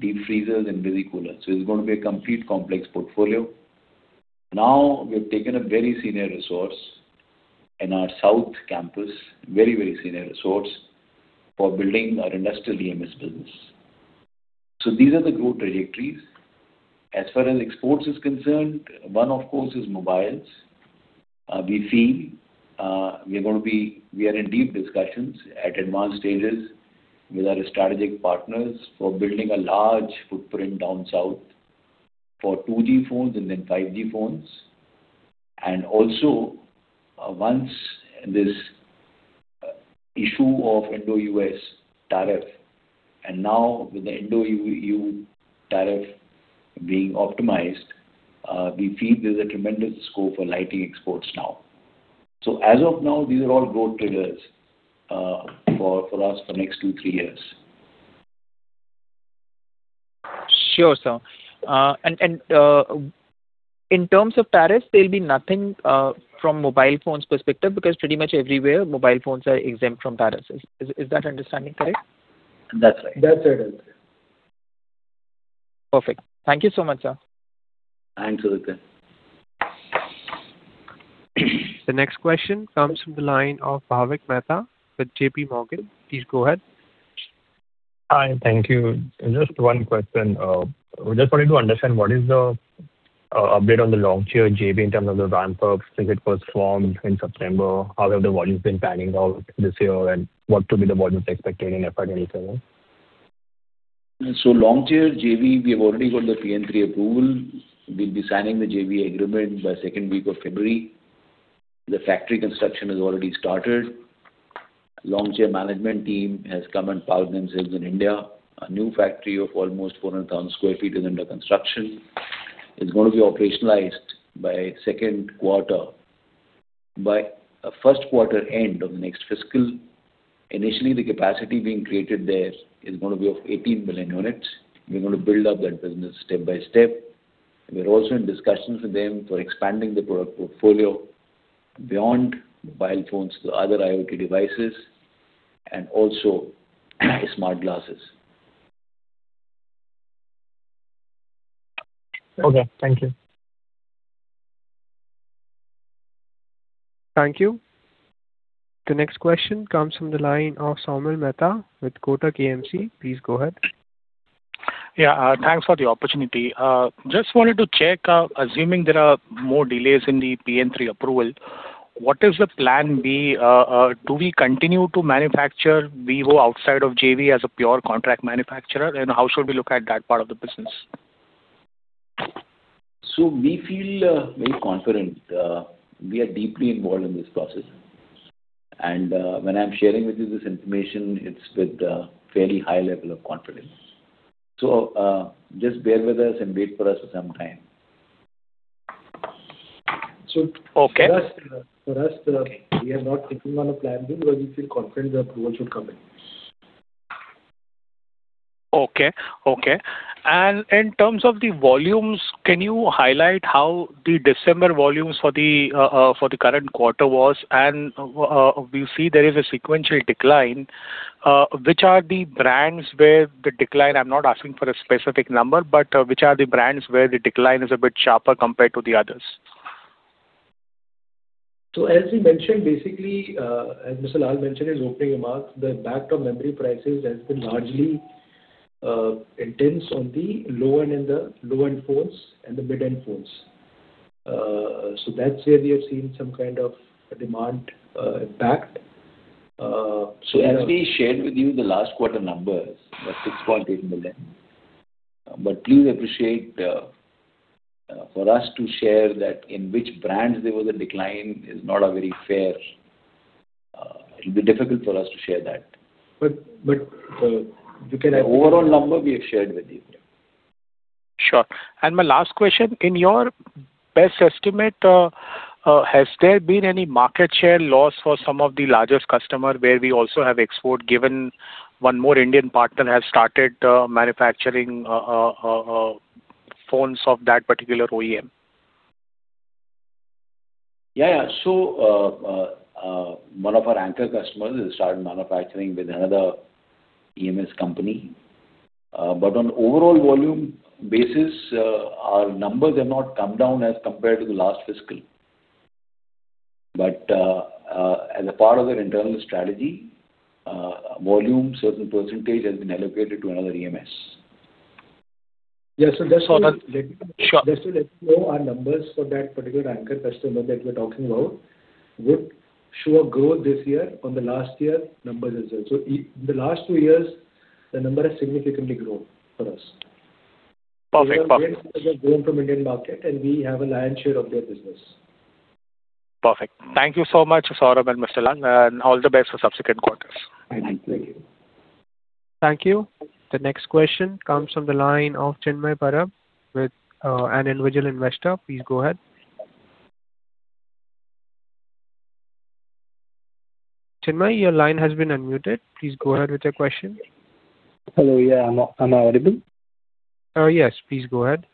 deep freezers and mini coolers. So it's going to be a complete complex portfolio. Now, we have taken a very senior resource in our south campus, very, very senior resource for building our industrial EMS business. So these are the growth trajectories. As far as exports is concerned, one, of course, is mobiles. We feel we are in deep discussions at advanced stages with our strategic partners for building a large footprint down south for 2G phones and then 5G phones. And also, once this issue of Indo-U.S. tariff, and now with the Indo-EU tariff being optimized, we feel there's a tremendous scope for lighting exports now. So as of now, these are all growth triggers for us for next two, three years. Sure, sir. And in terms of tariffs, there'll be nothing from mobile phones perspective, because pretty much everywhere, mobile phones are exempt from tariffs. Is that understanding correct? That's right. That's right. Perfect. Thank you so much, sir. Thanks, Aditya. The next question comes from the line of Bhavik Mehta with JPMorgan. Please go ahead. Hi, thank you. Just one question. We just wanted to understand what is the update on the Longcheer JV in terms of the ramp-ups, since it was formed in September? How have the volumes been panning out this year, and what could be the volumes expected in FY 2027? So Longcheer JV, we have already got the PN3 approval. We'll be signing the JV agreement by second week of February. The factory construction has already started. Longcheer management team has come and parked themselves in India. A new factory of almost 400,000 sq ft is under construction. It's going to be operationalized by second quarter, by first quarter end of the next fiscal. Initially, the capacity being created there is going to be of 18 billion units. We're going to build up that business step by step. We're also in discussions with them for expanding the product portfolio beyond mobile phones to other IoT devices and also smart glasses. Okay, thank you. Thank you. The next question comes from the line of Saumil Mehta with Kotak AMC. Please go ahead. Yeah, thanks for the opportunity. Just wanted to check, assuming there are more delays in the PN3 approval, what is the plan B? Do we continue to manufacture we go outside of JV as a pure contract manufacturer? And how should we look at that part of the business? So we feel very confident. We are deeply involved in this process, and when I'm sharing with you this information, it's with fairly high level of confidence. So just bear with us and wait for us for some time. So, okay. For us, we are not sitting on a plan B, but we feel confident the approval should come in. Okay, okay. And in terms of the volumes, can you highlight how the December volumes for the current quarter was? And we see there is a sequential decline. Which are the brands where the decline, I'm not asking for a specific number, but which are the brands where the decline is a bit sharper compared to the others? So as we mentioned, basically, as Mr. Lall mentioned in opening remarks, the impact of memory prices has been largely intense on the low end in the low-end phones and the mid-end phones. So that's where we have seen some kind of demand impact. So- As we shared with you the last quarter numbers, the 6.8 million. But please appreciate, for us to share that in which brands there was a decline is not a very fair. It'll be difficult for us to share that. But we can have- The overall number we have shared with you. Sure. And my last question, in your best estimate, has there been any market share loss for some of the largest customer where we also have export, given one more Indian partner has started manufacturing phones of that particular OEM? Yeah, yeah. So, one of our anchor customers has started manufacturing with another EMS company. But on overall volume basis, our numbers have not come down as compared to the last fiscal. But, as a part of their internal strategy, volume, certain percentage has been allocated to another EMS. Yeah, so just to let you- Sure. Just to let you know, our numbers for that particular anchor customer that we're talking about would show a growth this year on the last year numbers as well. So the last two years, the number has significantly grown for us. Perfect. Growing from Indian market, and we have a lion's share of their business. Perfect. Thank you so much, Saurabh and Mr. Lall, and all the best for subsequent quarters. Thank you. Thank you. The next question comes from the line of Chinmay Parab with an individual investor. Please go ahead. Chinmay, your line has been unmuted. Please go ahead with your question. Hello, yeah. Am I, am I audible? Yes. Please go ahead.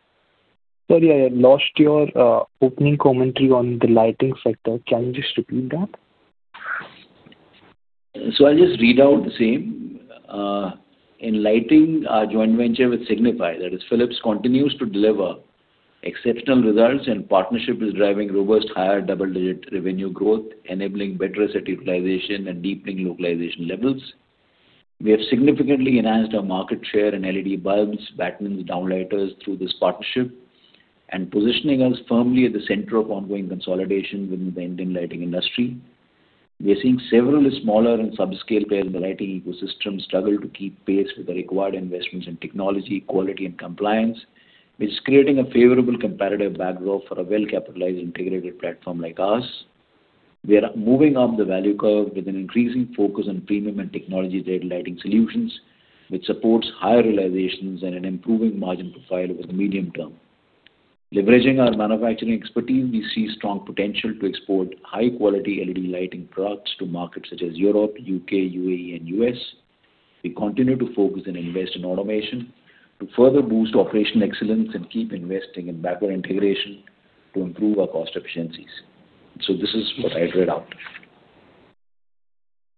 Sorry, I lost your opening commentary on the lighting sector. Can you just repeat that? I'll just read out the same. In lighting, our joint venture with Signify, that is Philips, continues to deliver exceptional results, and partnership is driving robust higher double-digit revenue growth, enabling better asset utilization and deepening localization levels. We have significantly enhanced our market share in LED bulbs, batten, downlighters through this partnership, and positioning us firmly at the center of ongoing consolidation within the Indian lighting industry. We are seeing several smaller and subscale players in the lighting ecosystem struggle to keep pace with the required investments in technology, quality and compliance, which is creating a favorable competitive backdrop for a well-capitalized, integrated platform like us. We are moving up the value curve with an increasing focus on premium and technology-led lighting solutions, which supports higher realizations and an improving margin profile over the medium term. Leveraging our manufacturing expertise, we see strong potential to export high-quality LED lighting products to markets such as Europe, U.K., UAE, and U.S. We continue to focus and invest in automation to further boost operational excellence and keep investing in backward integration to improve our cost efficiencies. So this is what I read out.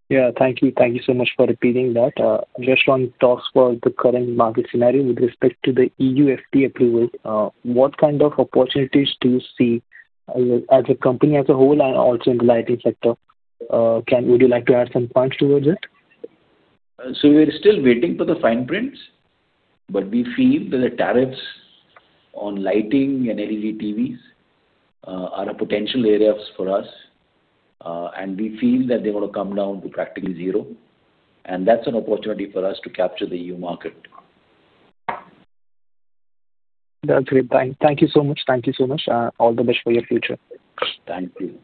Yeah, thank you. Thank you so much for repeating that. Just want to talk about the current market scenario with respect to the FTA approval. What kind of opportunities do you see as a company as a whole and also in the lighting sector? Would you like to add some points towards it? We are still waiting for the fine print, but we feel that the tariffs on lighting and LED TVs are a potential area for us, and we feel that they want to come down to practically zero, and that's an opportunity for us to capture the EU market. That's great! Thank, thank you so much. Thank you so much, all the best for your future. Thank you.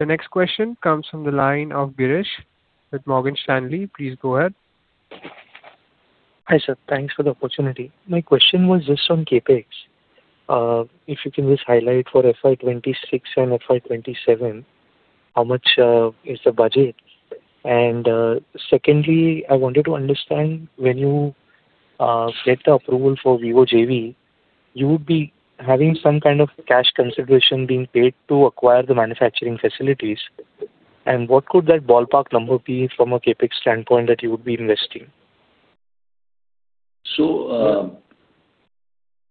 The next question comes from the line of Girish with Morgan Stanley. Please go ahead. Hi, sir. Thanks for the opportunity. My question was just on CapEx. If you can just highlight for FY 2026 and FY 2027, how much is the budget? And, secondly, I wanted to understand when you get the approval for Vivo JV, you would be having some kind of cash consideration being paid to acquire the manufacturing facilities. And what could that ballpark number be from a CapEx standpoint that you would be investing? So,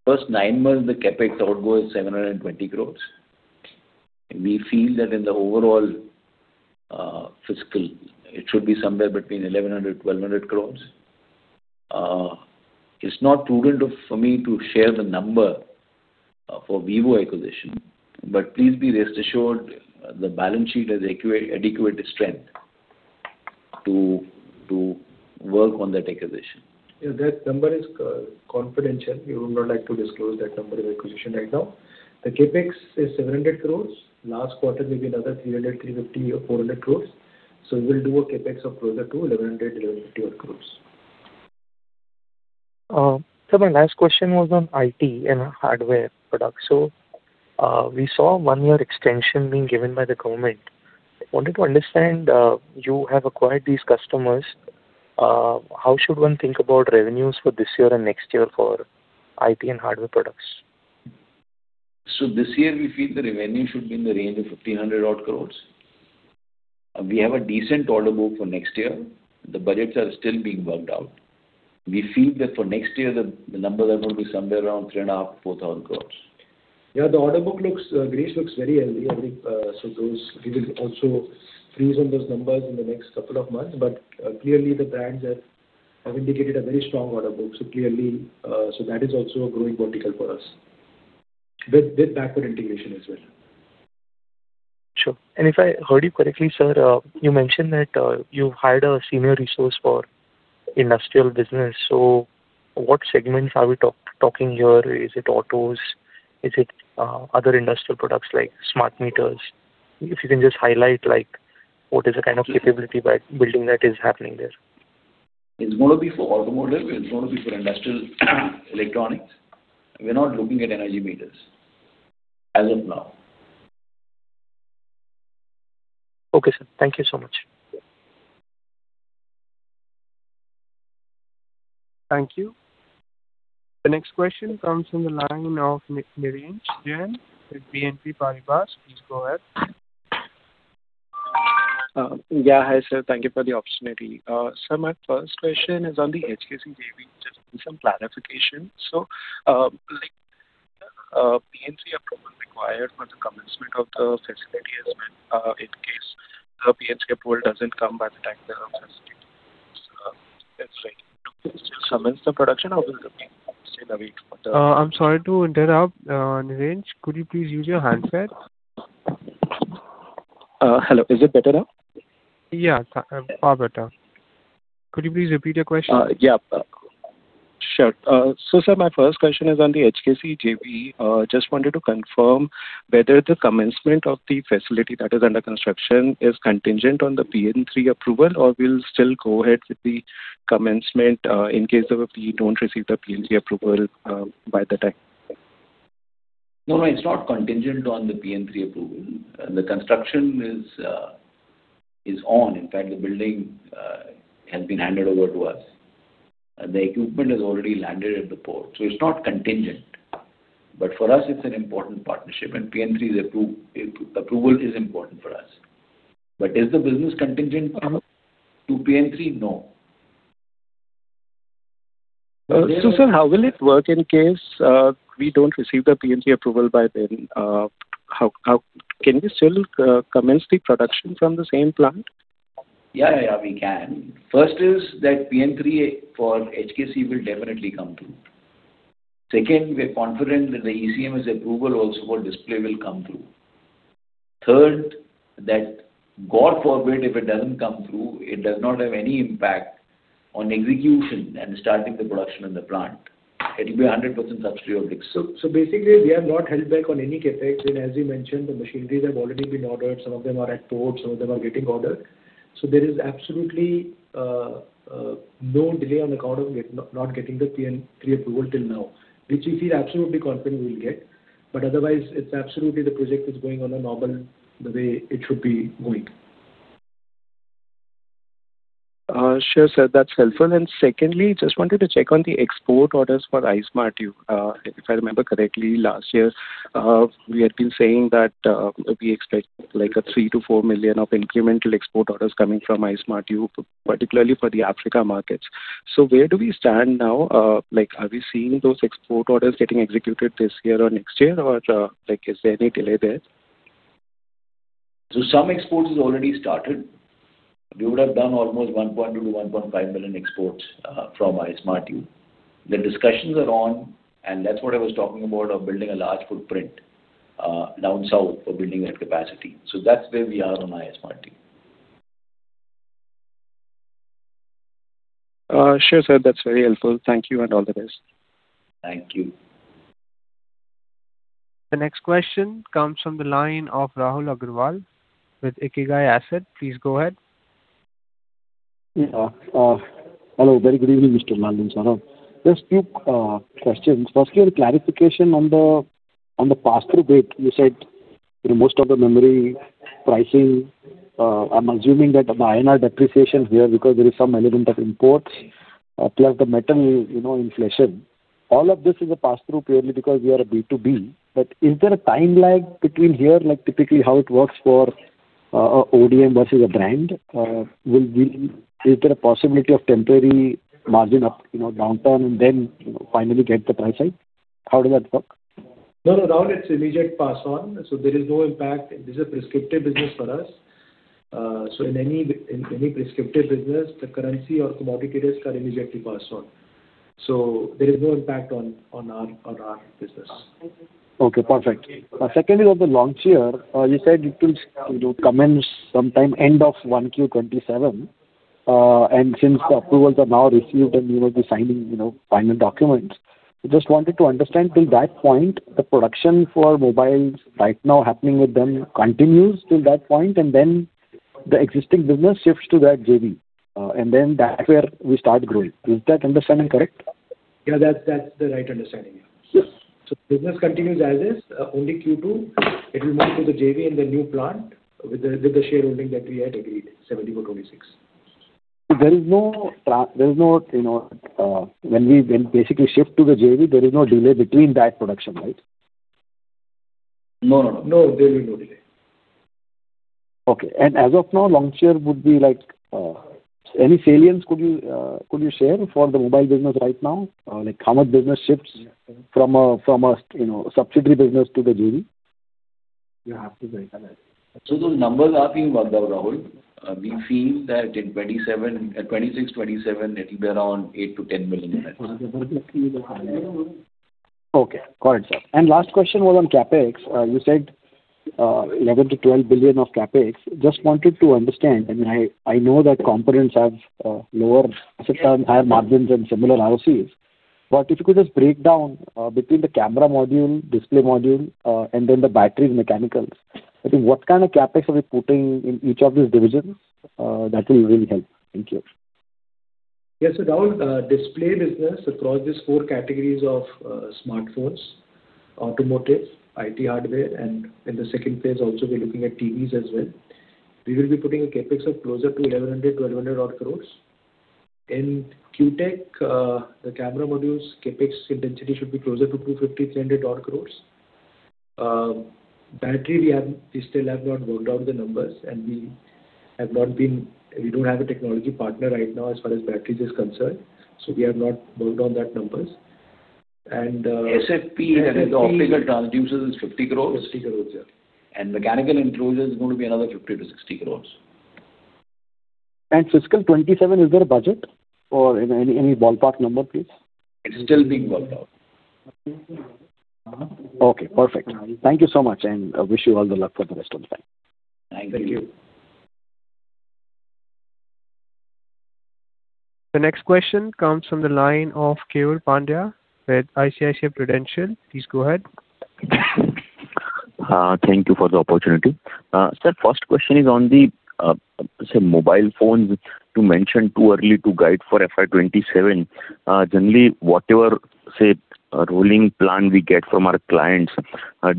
first nine months, the CapEx outgo is 720 crores. We feel that in the overall fiscal, it should be somewhere between 1,100-1,200 crores. It's not prudent for me to share the number for Vivo acquisition, but please be rest assured, the balance sheet has adequate strength to work on that acquisition. Yeah, that number is confidential. We would not like to disclose that number of acquisition right now. The CapEx is 700 crores. Last quarter will be another 300, 350 or 400 crores. So we'll do a CapEx of closer to 1,100-1,150 crores. Sir, my last question was on IT and hardware products. So, we saw one-year extension being given by the government. I wanted to understand, you have acquired these customers, how should one think about revenues for this year and next year for IT and hardware products? So this year, we feel the revenue should be in the range of 1,500 odd crores. We have a decent order book for next year. The budgets are still being worked out. We feel that for next year, the numbers are going to be somewhere around 3.5-4,000 crores. Yeah, the order book looks, Girish, looks very healthy. So those, we will also freeze on those numbers in the next couple of months. But, clearly, the brands have, have indicated a very strong order book, so clearly, so that is also a growing vertical for us, with, with backward integration as well. Sure. And if I heard you correctly, sir, you mentioned that you hired a senior resource for industrial business. So what segments are we talking here? Is it autos? Is it other industrial products like smart meters? If you can just highlight, like, what is the kind of capability by building that is happening there. It's going to be for automotive, it's going to be for industrial electronics. We're not looking at energy meters as of now. Okay, sir. Thank you so much. Thank you. The next question comes from the line of Neeraj Jain with BNP Paribas. Please go ahead. Yeah. Hi, sir. Thank you for the opportunity. Sir, my first question is on the HKC JV, just some clarification. So, PN3 approval required for the commencement of the facility has been, in case the PN3 approval doesn't come by the time the That's right. To commence the production or will it be still waiting for the- I'm sorry to interrupt, Neeraj. Could you please use your handset? Hello. Is it better now? Yeah, far better. Could you please repeat your question? Yeah, sure. So, sir, my first question is on the HKC JV. Just wanted to confirm whether the commencement of the facility that is under construction is contingent on the PN3 approval, or we'll still go ahead with the commencement, in case of we don't receive the PN3 approval, by the time? No, no, it's not contingent on the PN3 approval. The construction is on. In fact, the building has been handed over to us, and the equipment has already landed at the port, so it's not contingent. But for us, it's an important partnership, and PN3's approval is important for us. But is the business contingent on to PN3? No. Sir, how will it work in case we don't receive the PN3 approval by then? How can we still commence the production from the same plant? Yeah, yeah, yeah, we can. First is that PN3 for HKC will definitely come through. Second, we're confident that the ECMS approval also for display will come through. Third, that God forbid, if it doesn't come through, it does not have any impact on execution and starting the production in the plant. It will be a 100% subsidiary. So, basically, we are not held back on any CapEx. And as you mentioned, the machineries have already been ordered. Some of them are at port, some of them are getting ordered. So there is absolutely no delay on account of not getting the PN3 approval till now, which we feel absolutely confident we'll get. But otherwise, it's absolutely the project is going on a normal, the way it should be going. Sure, sir. That's helpful. And secondly, just wanted to check on the export orders for Ismartu. If I remember correctly, last year, we had been saying that we expect like a 3-4 million of incremental export orders coming from Ismartu, particularly for the Africa markets. So where do we stand now? Like, are we seeing those export orders getting executed this year or next year, or, like, is there any delay there? So some exports has already started. We would have done almost 1.2-1.5 million exports from Ismartu. The discussions are on, and that's what I was talking about, of building a large footprint down south for building that capacity. So that's where we are on Ismartu. Sure, sir, that's very helpful. Thank you, and all the best. Thank you. The next question comes from the line of Rahul Agarwal with Ikigai Asset. Please go ahead. Yeah. Hello, very good evening, Mr. Lall and Saurabh. Just few questions. Firstly, a clarification on the, on the pass-through date. You said that most of the memory pricing, I'm assuming that the INR depreciation here, because there is some element of imports, plus the metal, you know, inflation. All of this is a pass-through purely because we are a B2B, but is there a time lag between here, like, typically how it works for, ODM versus a brand? Will we-- Is there a possibility of temporary margin up, you know, downturn and then finally get the price hike? How does that work? No, no, Rahul, it's immediate pass on, so there is no impact. This is a prescriptive business for us. So in any prescriptive business, the currency or commodity risks are immediately passed on. So there is no impact on our business. Okay, perfect. Secondly, on the Longcheer, you said it will, you know, commence sometime end of 1Q27, and since the approvals are now received and you will be signing, you know, final documents. Just wanted to understand, till that point, the production for mobiles right now happening with them continues till that point, and then the existing business shifts to that JV, and then that's where we start growing. Is that understanding correct? Yeah, that's, that's the right understanding, yeah. Yes. So business continues as is, only Q2, it will move to the JV and the new plant with the shareholding that we had agreed, 74-26. There is no, you know, when we then basically shift to the JV, there is no delay between that production, right? No, no, no. No, there will be no delay. Okay. And as of now, Longcheer would be like, any guidance could you, could you share for the mobile business right now? Like how much business shifts from a, from a, you know, subsidiary business to the JV? You have to wait on that. Those numbers are being worked out, Rahul. We feel that in 2027, 2026-2027, it will be around 8-10 million. Okay, got it, sir. And last question was on CapEx. You said 11 billion-12 billion of CapEx. Just wanted to understand, and I know that components have lower or higher margins and similar ROCEs, but if you could just break down between the camera module, display module, and then the batteries mechanicals. I think what kind of CapEx are we putting in each of these divisions? That will really help. Thank you. Yes, so Rahul, display business across these four categories of smartphones, automotive, IT hardware, and in the second phase also we're looking at TVs as well. We will be putting a CapEx of closer to 1,100-1,200 crores. In Q Tech, the camera modules, CapEx intensity should be closer to 250-300 crores. Battery, we still have not worked out the numbers, and we have not been... We don't have a technology partner right now as far as batteries is concerned, so we have not worked on that numbers. And, SFP, that is optical transceivers, is 50 crore. 50 crore, yeah. Mechanical extrusion is going to be another 50-60 crore. Fiscal 2027, is there a budget or any ballpark number, please? It's still being worked out. Okay, perfect. Thank you so much, and I wish you all the luck for the rest of the time. Thank you. Thank you. The next question comes from the line of Keyur Pandya with ICICI Prudential. Please go ahead. Thank you for the opportunity. Sir, first question is on the, say, mobile phones you mentioned too early to guide for FY 2027. Generally, whatever, say, a rolling plan we get from our clients,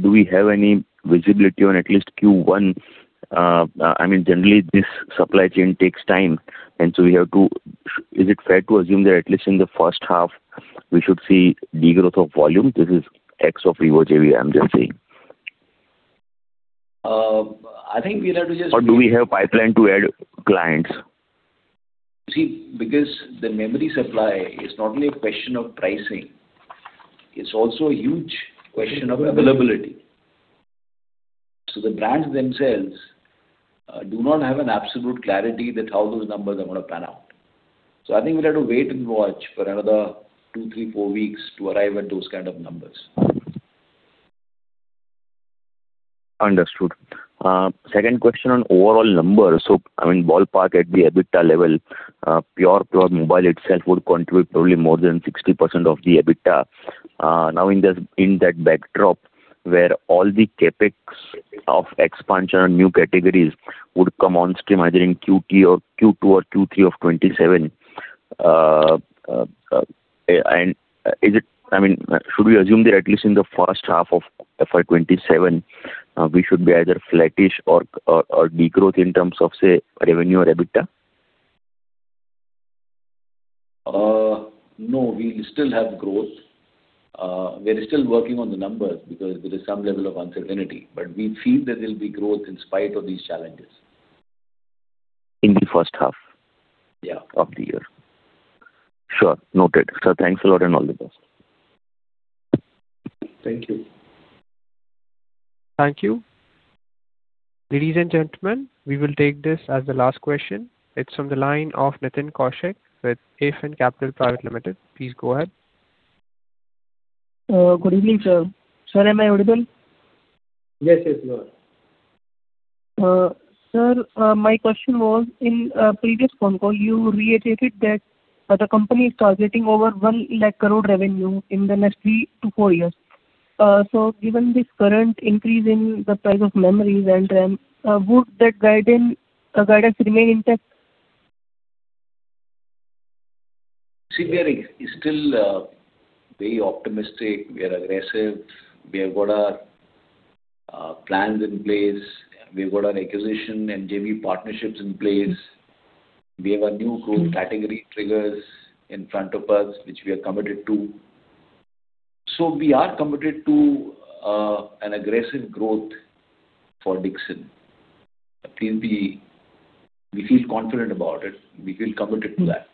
do we have any visibility on at least Q1? I mean, generally this supply chain takes time, and so we have to... Is it fair to assume that at least in the first half, we should see degrowth of volume? This is ex of new JV, I'm just saying. I think we'll have to just- Or do we have pipeline to add clients? See, because the memory supply is not only a question of pricing, it's also a huge question of availability. So the brands themselves do not have an absolute clarity that how those numbers are gonna pan out. So I think we'll have to wait and watch for another two, three, four weeks to arrive at those kind of numbers. Understood. Second question on overall numbers. So, I mean, ballpark at the EBITDA level, pure, pure mobile itself would contribute probably more than 60% of the EBITDA. Now, in this, in that backdrop, where all the CapEx of expansion on new categories would come on stream, either in Q3 or Q2 or Q3 of 2027. And is it-- I mean, should we assume that at least in the first half of FY 2027, we should be either flattish or, or, or degrowth in terms of, say, revenue or EBITDA? No, we still have growth. We are still working on the numbers because there is some level of uncertainty, but we feel there will be growth in spite of these challenges. In the first half- Yeah. of the year? Sure, noted. Sir, thanks a lot, and all the best. Thank you. Thank you. Ladies and gentlemen, we will take this as the last question. It's from the line of Nitin Kaushik with Afin Capital. Please go ahead. Good evening, sir. Sir, am I audible? Yes, yes, you are. Sir, my question was, in previous phone call, you reiterated that the company is targeting over 100,000 crore revenue in the next 3-4 years. So given this current increase in the price of memories and RAM, would that guidance remain intact? See, we are still very optimistic, we are aggressive, we have got our plans in place, we've got our acquisition and JV partnerships in place. We have a new growth category triggers in front of us, which we are committed to. So we are committed to an aggressive growth for Dixon. I think we feel confident about it. We feel committed to that.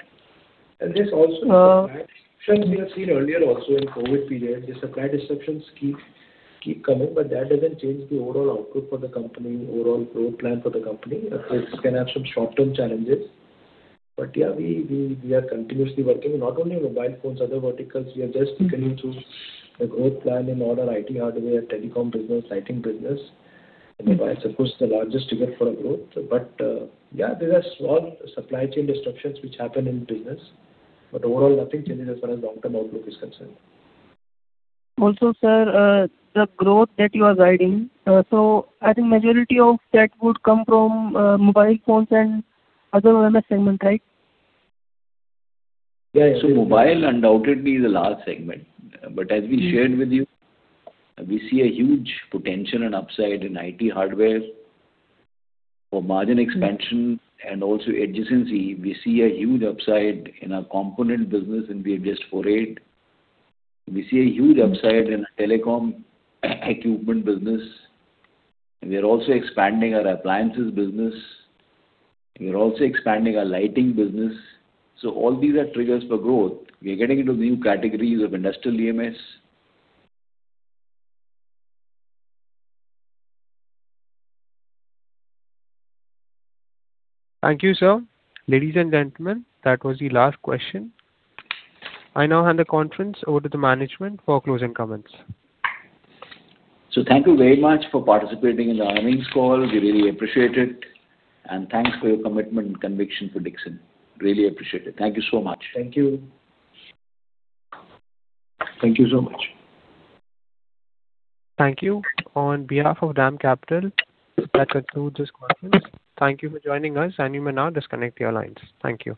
And there's also- Uh. We have seen earlier also in COVID period, the supply disruptions keep coming, but that doesn't change the overall outlook for the company, overall growth plan for the company. Mm-hmm. It can have some short-term challenges, but yeah, we are continuously working, not only on mobile phones, other verticals. We are just continuing through the growth plan in all our IT, hardware, telecom business, lighting business. And mobile, of course, is the largest trigger for our growth. But yeah, there are small supply chain disruptions which happen in business. But overall, nothing changes as far as long-term outlook is concerned. Also, sir, the growth that you are guiding, so I think majority of that would come from mobile phones and other MS segment, right? Yeah, so mobile undoubtedly is a large segment. Mm. But as we shared with you, we see a huge potential and upside in IT hardware for margin expansion- Mm. And also adjacency. We see a huge upside in our component business, and we have just forayed. We see a huge upside in telecom equipment business. We are also expanding our appliances business. We are also expanding our lighting business. So all these are triggers for growth. We are getting into new categories of industrial EMS. Thank you, sir. Ladies and gentlemen, that was the last question. I now hand the conference over to the management for closing comments. Thank you very much for participating in the earnings call. We really appreciate it, and thanks for your commitment and conviction for Dixon. Really appreciate it. Thank you so much. Thank you. Thank you so much. Thank you. On behalf of DAM Capital, that concludes this conference. Thank you for joining us, and you may now disconnect your lines. Thank you.